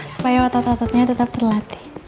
supaya otot ototnya tetap berlatih